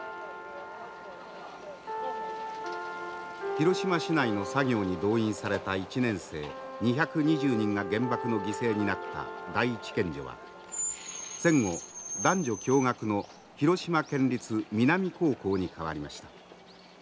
広島市内の作業に動員された１年生２２０人が原爆の犠牲になった第一県女は戦後男女共学の広島県立皆実高校に変わりました。